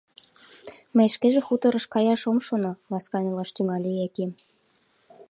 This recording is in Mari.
— Мей шкеже хуторыш каяш ом шоно, — ласкан ойлаш тӱҥале Яким.